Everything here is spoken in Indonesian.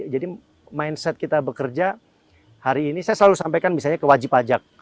jadi mindset kita bekerja hari ini saya selalu sampaikan misalnya kewajip pajak